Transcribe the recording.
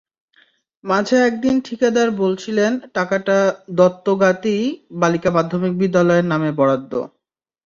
মাঝে একদিন ঠিকাদার বলছিলেন টাকাটা দত্তগাতী বালিকা মাধ্যমিক বিদ্যালয়ের নামে বরাদ্দ।